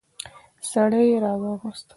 سړی يې راوغوښت.